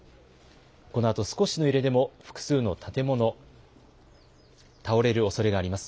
このあと少しの揺れでも複数の建物、倒れるおそれがあります。